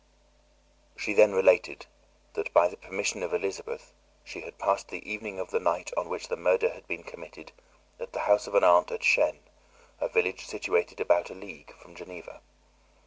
She then related that, by the permission of Elizabeth, she had passed the evening of the night on which the murder had been committed at the house of an aunt at Chêne, a village situated at about a league from Geneva.